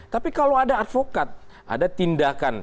tapi kalau ada advokat ada tindakan